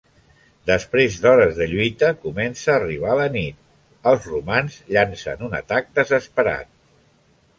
Després d'hores de lluita comença a arribar la nit, els romans llancen un atac desesperat.